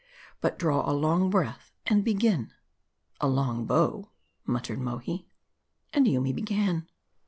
But draw a long breath, and begin." " A long bow," muttered Mohi. And Yoomy began.